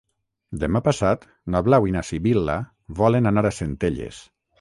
Demà passat na Blau i na Sibil·la volen anar a Centelles.